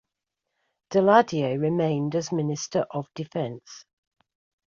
Daladier remained as Minister of Defence.